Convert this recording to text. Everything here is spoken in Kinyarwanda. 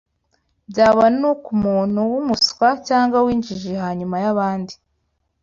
byaba no ku muntu w’umuswa cyangwa w’injiji hanyuma y’abandi,